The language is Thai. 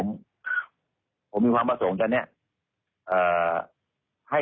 เพราะว่าตอนแรกมีการพูดถึงนิติกรคือฝ่ายกฎหมาย